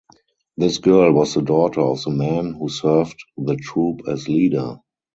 This girl was the daughter of the man who served the troop as leader.